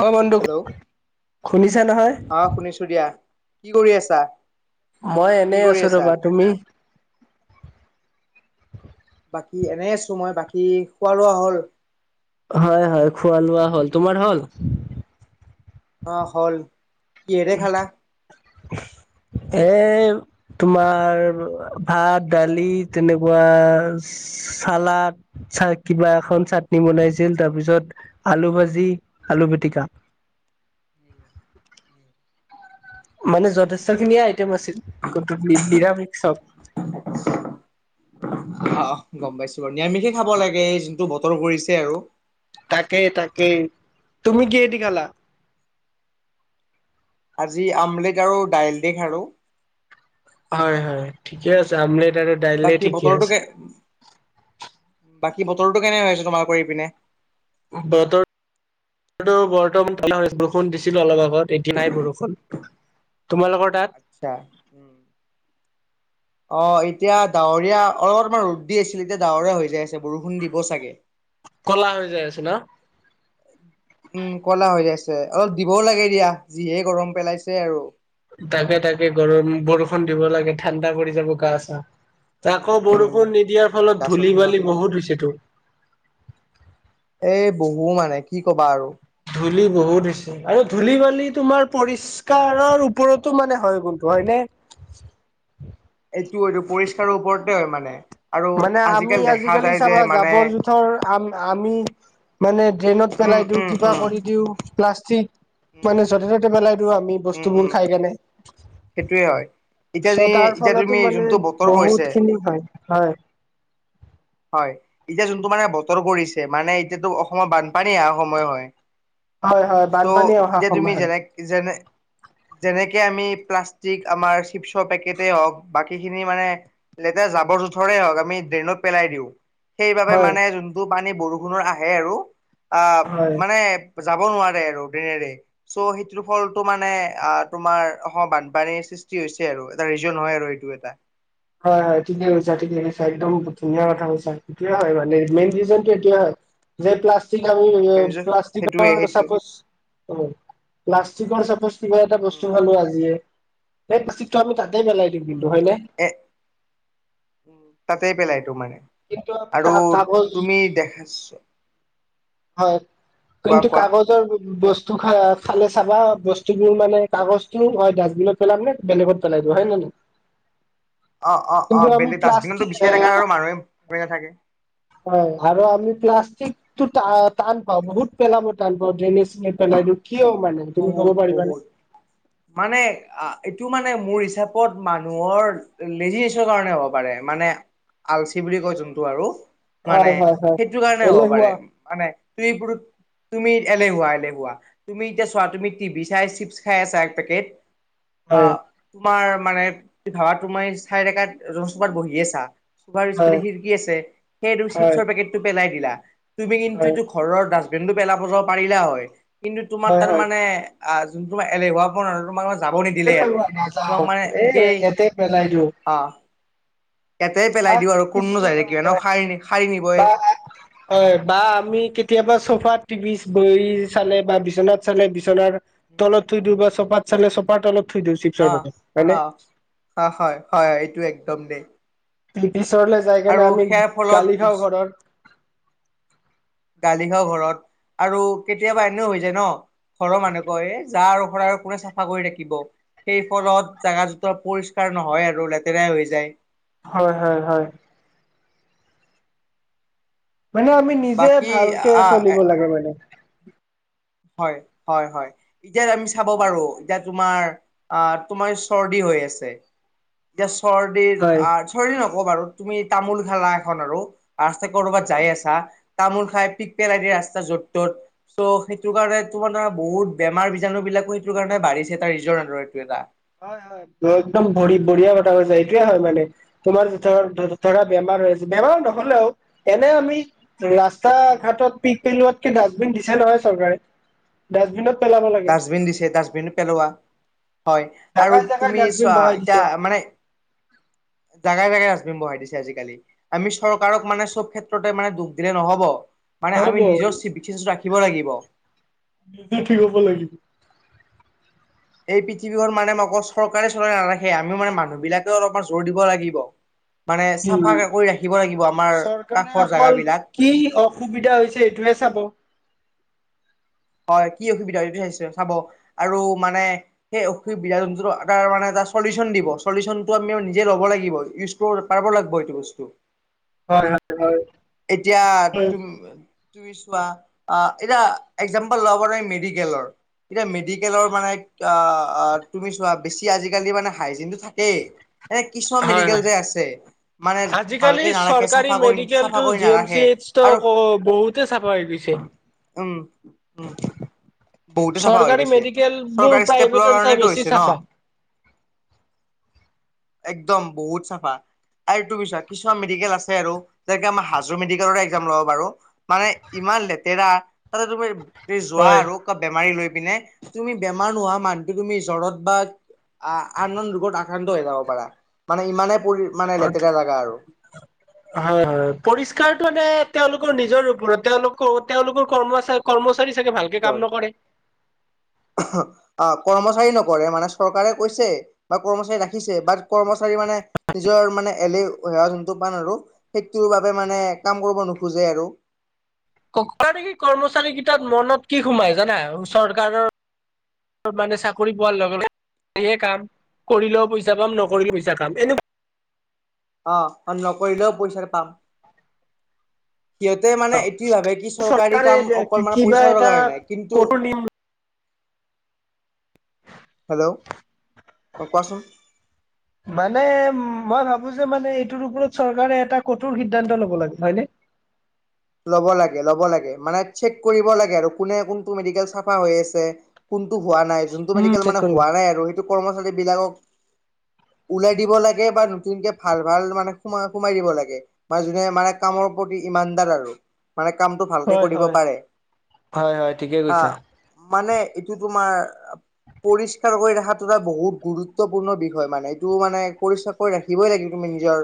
অ বন্ধু হেল্ল', শুনিছা নহয় অ', শুনিছোঁ দিয়া, কি কৰি আছা? উম মই কি এনেই কৰি আছোঁ আছা ৰবা, তুমি? বাকী এনেই আছোঁ মই, বাকী খোৱা লোৱা হ'ল? হয়, হয়, খোৱা লোৱা হ'ল, তোমাৰ হ'ল? অ', হ'ল। কিহেৰে খালা [inaudible] [inaudible] এ তোমাৰ ভাত, দালি তেনেকুৱাঁ চালাদ, চা কিবা এখন চাটনি বনাইছিল, তাৰপিছত আলু ভাজি, আলু পিটিকা মানে যথেষ্ট খিনিয়ে আইটেম আছিল, কিন্তু নিৰামিষ সব। অ', গম পাইছোঁ বাৰু, নিৰামিষেই খাব লাগে যিটো বতৰ কৰিছে আৰু। তাকেই, তাকেই, তুমি কিহেদি খালা? আজি আমলেট আৰু দাইল দি খালোঁ। হয়, হয়, ঠিকেই আছে, আমলেট আৰু দাইলে বাকী ঠিকে বতৰটো আছে কে, বাকী বতৰ টো কেনে হৈছে তোমালোকৰ এইপিনে? বতৰ বতৰটো বৰ্তমান ভালেই হৈছে, বৰষুণ দিছিল অলপ আগত এতিয়া নাই বৰষুণ। তোমালোকৰ তাত [inaudible] অ', এতিয়া ডাৱৰীয়া, অলপমান ৰ'দ দি আছিল, এতিয়া ডাৱৰীয়া হৈ যাই আছে বৰষুণ দিব চাগে। ক'লা হৈ যাই আছে ন'। [inaudible] উম, কলা হৈ আছে, অলপ দিবও লাগে দিয়া, যিহে গৰম পেলাইছে আৰু। তাকে, তাকে, গৰম, বৰষুণ দিব লাগে ঠাণ্ডা পৰি যাব গা চা। উম তাকো উম বৰষুণ নিদিয়াৰ উম গা ফলত চা ধূলি ঠাণ্ডা বালি পৰিব বহুত হৈছে টো। এই বহু মানে কি ক'বা আৰু ধূলি বহুত হৈছে, আৰু ধূলি বালি তোমাৰ পৰিস্কাৰৰ ওপৰতো মানে হয় কিন্তু, হয় নে? এইটো, এইটো পৰিষ্কাৰৰ ওপৰতে হয় মানে। আৰু মানে, আমি দেখা আজিকালি যায় যে চাবা মানে জাবৰ জোথৰ আম, আমি মানে ড্ৰেইনত উম পেলাই দিওঁ উম কিবা উম কৰি দিওঁ প্লাষ্টিক উম মানে য'তে উম ত'তে পেলাই দিওঁ আমি উম উম বস্তুবোৰ খাই কেনে। সেইটোয়ে হয় এতিয়া চ' যি তাৰ এতিয়া তুমি ফলতো মানে যোনটো বতৰ কৰিছে বহুত খিনি হয়। হয় হয় এতিয়া যোনটো মানে বতৰ কৰিছে, মানে এতিয়াতো অসমৰ বানপানী অহা সময় হয়। হয় হয় চ' বানপানী অহা এতিয়া তুমি সময় হয় যেনে -যেনে যেনেকে আমি প্লাষ্টিক, আমাৰ চিপছৰ পেকেটেই হওঁক, বাকীখিনি মানে লেতেৰা যাবৰ, জোথৰেই হওঁক আমি ড্ৰেইনত পেলাই দিওঁ। সেইবাবে হয় মানে যোনটো পানী বৰষুণত আহে আৰু আ, হয় মানে যাব নোৱাৰে আৰু ড্ৰেইনেৰে। চ' সেইটোৰ ফলতো মানে, আ তোমাৰ অসমৰ বানপানীৰ সৃষ্টি হৈছে আৰু। ৰিজন, হ'য় আৰু এইটো এটা হয় হয় ঠিকেই কৈছা, ঠিকেই কৈছা একদম ধুনীয়াঁ কথা কৈছা। এইটোৱেই উম হয় মানে, মেইন ৰিজনটো এইটোৱেই উম হয়। যে পিলাচ্ [inaudible] সেইটোৱে সেইটোৱে কিবা এটা বস্তু উম খালো আজিয়েই। এই প্লাষ্টিক টো আমি তাতেই পেলাই দিওঁ উম কিন্তু হয় নে? এ- তাতেই পেলাই দিওঁ মানে কিন্তু আমি আৰু কাগজ তুমি [inaudible] হয়, কোৱা কিন্তু কোৱা কাগজৰ বস্তু খ খালে চাবা বস্তুবোৰ মানে কাগজতো হয় ডাষ্টবিনত পেলাব মানে বেলেগত পেলাই দিব হয় নে নহয় অ অ অ কিন্তু আমি বেলি ডাষ্টবিনতো প্লাষ্টিক এ বিচাৰি থাকে আৰু মানুহে ভাব নাথাকে হয় আৰু আমি প্লাষ্টিক ত টান পাও বহুত পেলাই মই টান পাও ড্ৰেইনেজ ন পেলাইটো কিয় মানে তুমি বহুত কব পাৰিবানে বহুত মানে এইটো মানে মোৰ হিচাপত মানুহৰ লেজিনেচৰ কাৰণে হ'ব পাৰে মানে আলচি বুলি কয় যোনটো আৰু মানে হয় হয় হয় সেইটো কাৰণে হ'ব এলেহুৱা। পাৰে মানে তুমি তুমি এলেহুৱা এলেহুৱা তুমি এতিয়া চোৱা তুমি টিভি চাই চিপছ খাই আছা এক পেকেট হয় আহ তোমাৰ মানে ভাবা তোমাৰ চাই ডেকাত এজন চফাত বহি আছা তোমাৰ পিছফালে হয় খিৰিকি আছে সেইটো হয় চিপছৰ পেকেটটো পেলাই দিলা তুমি কিন্তু হয় এই ঘৰৰ ডাষ্টবিন টো পেলাব বজাব পাৰিলা হয় কিন্তু তোমাৰ হয় হয় তাৰমানে আহ যোন তোমাৰ এলেহুৱা প ন তোমাক যাব নিদিলেই আৰু তেনেকুৱা তোমাক নাযাওঁ মানে এ একেই ইয়াতে পেলাই অ ইয়াতে পেলাই ভাত দিওঁ আৰু কোননো কিছু যাই থাকিব আহে ন হয় সাৰি সাৰি নিবই বা আমি কেতিয়াবা চফা টিভি বহি চালে বা বিচনাত চালে বিচনাৰ তলত থৈ দিওঁ বা চপাত চালে চপাৰ তলত থৈ দিওঁ চিপজৰ অ পেকেট হয়নে অ অ হয় হয় হয় এইটো একদম দেই ব্ৰিটিছৰলে যায় কাৰনে আৰু আমি সেয়াৰ গালি খাওঁ ফলত ঘৰৰ গালি খাও ঘৰত আৰু কেতিয়াবা এনেও হৈ যায় ন ঘৰৰ মানুহ কয় এই যা আৰু শৰাই আৰু কোনে চাফা কৰি থাকিব সেই ফলত জোগা জোতৰ পৰিষ্কাৰ নহয় আৰু লেতেৰাই হৈ যায় হয় হয় হয় মানে আমি নিজে বাকী ভালকে আহ চলিব লাগে মানে হয় হয় হয় এতিয়া আমি চাব পাৰো এতিয়া তোমাৰ আহ তোমাৰ চৰ্দি হৈ আছে মই শ্বৰ্ডে হয় আৰ্ট নকবা বাৰু তুমি তামোল খালা এখন আৰু ৰাতে কৰবাত যাই আছা তামোল খাই পিক পেলাই দি ৰাস্তা য'ত ত'ত চ সেই সেইটো কাৰণে তো মানে বহুত বেমাৰ বীজণু বিলাকো সেইটো কাৰণে বাঢ়িছে তাৰ ৰিজন্ট এইটো এটা হয় হয় একদম ভৰি বঢ়িয়া কথা হৈছে এইটোয়ে হয় মানে তোমাৰ য ধৰা বেমাৰ উম হৈ আছে বেমাৰ নহলেও এনে আমি ৰাস্তা উম। ঘাটত পিক পেলোৱাতকে ডাষ্টবিন দিছে নহয় চৰকাৰে ডাষ্টবিনত পেলাব লাগে ডাষ্টবিন দিছে ডাষ্টবিন পেলোৱা হয় আৰু জাগাই জাগাই তুমি ডাষ্টবিন চোৱা বহাই এতিয়া দিছে মানে জাগাই জাগাই ডাষ্টবিন বহাই দিছে আজিকালি আমি চৰকাৰক মানে চব ক্ষেত্ৰতে মানে দুখ দিলে নহব মানে আমি নহ'ব নিজৰ বিশষ্ট ৰাখিব লাগিব নিজে ঠিক হব লাগিব এই পৃথিৱীখন মানে অকল চৰকাৰে চলাই নাৰাখে আমিও মানে মানুহ বিলাকেও অলপমান জোৰ দিব লাগিব মানে উম চাফা কৰি ৰাখিব লাগিব আমাৰ চৰকাৰে কাষৰ জাগা অকল বিলাক কি অসুবিধা হৈছে সেইটোহে চাব হয় কি অসুবিধা হৈছে সেইটোহে চাব আৰু মানে সেই অসুবি বিধা জন্তুো মেটা চলিচন দিব চলিউচনটো আমি নিজে লব লাগিব ই পাৰিব লাগিব এইটো বস্তু হয় হয় হয় এতিয়া হয় তুমি তুমি চোৱা এয়া একজাম্পল লব পৰা মেডিকেলৰ এতিয়া মেডিকেলৰ মানে তুমি চোৱা বেছি আজিকালি মানে হাইজিনটো থাকেই এনে কিছুমান হয় মেডিকেল হয়। যে আছে মানে ভালকে নাৰাখে চাফা কৰি চাফা টো কৰি জি এম চি নাৰাখে এই আৰু অ বহুতে চাফা হৈ গৈছে উম উম বহুতে চাফা হৈ চৰকাৰী গৈছে মেডিকেল বোৰ চৰকাৰী ষ্টেপ লোৱা প্ৰাইভেটৰ চাই কাৰণটো বেছি হৈছে ন চাফা একদম বহুত চাফা আৰু তোৰ বিছ কিছুমান মেডিকেল আছে আৰু যেনেকে আমাৰ হাজৰি মেডিকেলৰ এক্জাম লব বাৰু মানে ইমান লেতেৰা তাতে তুমি তুম যোৱা হয়। আৰু ক বেমাৰী লৈ পিনে তুমি বেমাৰ নোহোৱা মানুহটো তুমি জ্বৰত বা আ আন আন ৰোগত আক্ৰান্ত হৈ যাব পাৰা মানে ইমানে পৰি মানে লেতেৰা জাগা আৰু অ হয় হয় পৰিষ্কাৰটো মানে তেওঁলোকৰ নিজৰ প তেওঁলোকৰ তেওঁলোকৰ কৰ্মচাৰ কৰ্মচাৰী চাগে ভালকে কাম নকৰে অ কৰ্মচাৰী নকৰে মানে চৰকাৰে কৈছে বা কৰ্মচাৰী ৰাখিছে বাাট কৰ্মচাৰী মানে নিজৰ মানে এলে সেৱা যোনটো পান আৰু সেইটোৰ বাবে মানে কাম কৰিব নোখোজে আৰু ক নেকি কৰ্মচাৰী কেইটাত মনত কি সোমাই জানা চৰকাৰৰ মানে চাকৰি পোৱাৰ লগে লগে সেয়ে কাম কৰিলেও পইচা পাম উম নকৰিলেও পইচা পাম এনেকুৱা অ অ নকৰিলেও পইচা পাম সিহঁতে মানে এইটোৱে ভাবে কি চৰকাৰী চৰকাৰে কাম অকল মানে কিবা পইচাৰ এটা কাৰণে কিন্তু কঠোৰ নিয়ম হেল্ল' অ কোৱাচোন [unintelligible] মানে উ মই ভাবো যে মানে এইটোৰ ওপৰত চৰকাৰে এটা কঠোৰ সিদ্ধান্ত ল'ব লাগে হয় ন ল'ব লাগে ল'ব লাগে মানে চেক কৰিব লাগে আৰু কোনে কোনটো মেডিকেল চাফা হৈ আছে কোনটো হোৱা নাই যোনটো উম, মেডিকেল চেক মানে কৰিব। হোৱা নাই আৰু সেইটো কৰ্মচাৰী বিলাকক ওলাই দিব লাগে বা নতুনকে ভাল ভাল মানে সোমাই সোমাই দিব লাগে ম যোনে মানে কামৰ প্ৰতি ইমানদাৰ আৰু মানে কামটো ভালকে হয় কৰিব হয় পাৰে হয় হয় ঠিকে আহ কৈছা মানে এইটো তোমাৰ পৰিষ্কাৰ কৰি ৰখাটো এটা বহুত গুৰুত্বপূৰ্ণ বিষয় মানে এইটো মানে পৰিষ্কাৰ ৰাখিবই লাগিব তুমি নিজৰ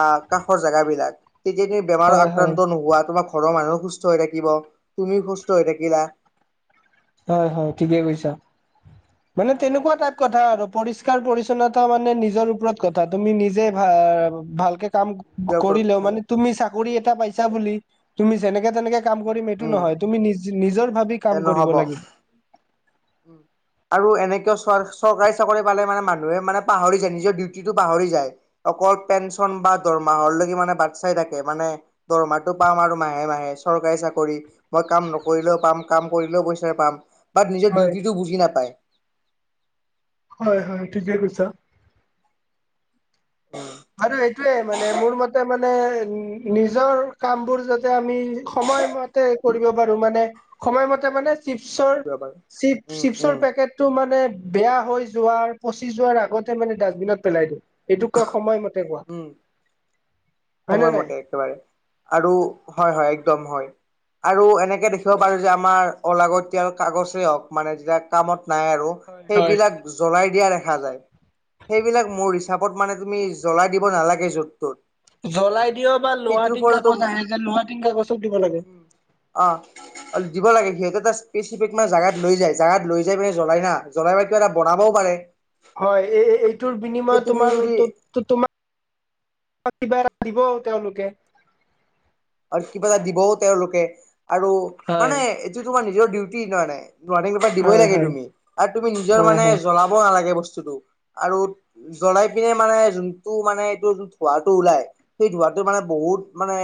আহ কাষৰ জাগা বিলাক তেতিয়া তুমি বেমাৰো হয় হয় আক্ৰান্ত নোহোৱা তোমাৰ ঘৰৰ মানুহো সুস্থ হৈ থাকিব তুমিও সুস্থ হৈ থাকিলা হয় হয় ঠিকে কৈছা মানে তেনেকুৱা টাইপ কথা নিজৰ আৰু পৰিষ্কাৰ পৰিছন্নতা মানে নিজৰ ওপৰত কথা তুমি নিজে ভ ভালকে কাম ওপৰত কৰিলেও কথা মানে তুমি চাকৰি এটা পাইছা বুলি তুমি যেনেকে তেনেকে কাম উম কৰিম এইটো উম নহয়, তুমি নিজ নিজৰ ভাবি কাম কৰিব নহ'ব। লাগিব। উম। আৰু এনেকও চ চৰকাৰী চাকৰি পালে মানে মানুহে মানে পাহৰি যায়। নিজৰ ডিউটিটো পাহৰি যায়। অকল পেঞ্চন বা দৰমাহৰলৈকে মানে বাট চাই থাকে। মানে দৰমাৰটো পাম আৰু মাহে মাহে। চৰকাৰী চাকৰি মই কাম নকৰিলেও পাম, কাম কৰিলেও পইচা পাম। বাট নিজৰ হয় ডিউটিটো বুজি নাপায়। হয় হয়, ঠিকে কৈছা। আৰু এইটোয়ে মানে মোৰ মতে মান মানে নিজৰ কামবোৰ যাতে আমি সময় মতে কৰিব পাৰো মানে। সময় মতে মানে চিপছৰ চিপ উম উম চিপছৰ পেকেট টো মানে বেয়া হৈ যোৱাৰ, পচি যোৱাৰ আগতে মানে ডাষ্টবিনত পেলাই দিওঁ। এইটো সময় মতে কোৱা। হয়নে সময় নাই মতে একেবাৰে। আৰু হয় হয়, একদম হয়। আৰু এনেকে দেখিব পাৰো যে আমাৰ অলাগতিয়াল কাগজেই হওঁক মানে যেতিয়া কামত নাহে আৰু হয় সেইবিলাক জ্বলাই দিয়া দেখা যায়। সেইবিলাক মোৰ হিচাপত মানে তুমি জ্বলাই দিব নালাগে য'ত-ত'ত। জ্বলাই দিয় বা লোহা-টিন কাগজ আহে যে লোহা-টিন কাগজক দিব লাগে। উম, অ', দিব লাগে। সিহঁতে এটা স্পেচিফিক মানে জোগাত লৈ যায়। জোগাত লৈ যাই মানে জ্বলাই না। জ্বলাই বা কিবা এটা বনাবও পাৰে। হয়। এই এইটোৰ যে বিনিময়ত তুমি যদি তোমাৰটো তো তোমাক কিবা এটা দিব তেওঁলোকে। আৰু কিবা এটা দিবও তেওঁলোকে। আৰু হয় মানে এইটো তোমাৰ নিজৰ ডিউটিৰ কাৰণে। ৱাৰ্ণিং অলপ দিবই হয় লাগে হয় তুমি। আৰু তুমি নিজৰ হয় মানে হয় জ্বলাব নালাগে বস্তুটো। আৰু জ্বলাই পিনে মানে যোনটো মানে এইটো যোন ধোঁৱাটো ওলাই সেই ধোঁৱাটো মানে বহুত মানে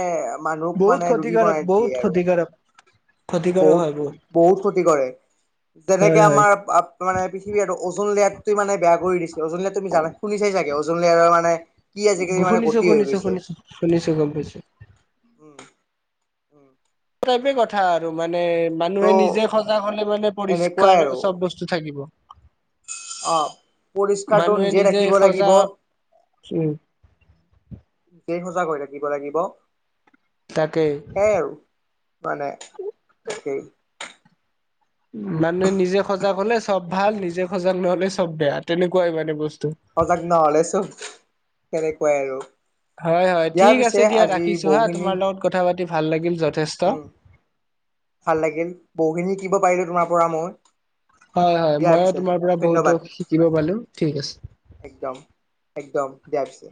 মানুহক বহুত মানে ৰোগী ক্ষতিকাৰক, বনাই দিয়ে বহুত আৰু ক্ষতিকাৰক। ক্ষতিকাৰক হয় বহুত। বহুত ক্ষতি কৰে। যেনেকে হয় হয়। আমাৰ মানে পৃথিৱী আৰু অজন লেয়াৰতো মানে বেয়া কৰি দিছে। অজন লেয়াৰত তুমি জানা, শুনি চাই চাগে। অজন লেয়াৰৰ মানে কি আজিকালি মানে শুনিছো গতি হৈ শুনিছো গৈছে। শুনিছো শুনিছো গম পাইছো। উম উম। টাইপে কথা আৰু মানে মানুহে ত' নিজে সজাগ হ'লে মানে এনেকুৱাই পৰিষ্কাৰ আৰু চব বচ টো থাকিব। অ', পৰিষ্কাৰটো মানুহে নিজে ৰাখিব লাগিব। সজাগ উম নিজে সজাগ হৈ থাকিব লাগিব। তাকেই। সেই আৰু মানে তাকেই। মানুহে নিজে সজাগ হ'লে চব ভাল। নিজে সজাগ নহ'লে চব বেয়া তেনেকুৱাই মানে বস্তু। সজাগ ন'হলে চব তেনেকুৱাই আৰু। হয় হয়, দিয়া ঠিক পিছে আছে, দিয়া আজি ৰাখিছো হা। বহুখিনি তোমাৰ লগত কথা পাতি ভাল উম লাগিল যথেষ্ট। উম ভাল লাগিল। বহুখিনি শিকিব পাৰিলো তোমাৰ পৰা মই। হয় হয়, দিয়া মইও পিছে তোমাৰ পৰা বহুতো ধন্যবাদ। শিকিব পালো। ঠিক আছে। একদম একদম দিয়া পিছে।